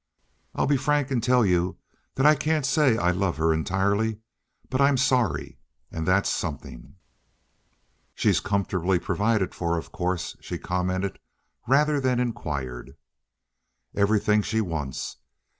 I'll be frank and tell you that I can't say I love her entirely; but I'm sorry, and that's something." "She's comfortably provided for, of course," she commented rather than inquired. "Everything she wants.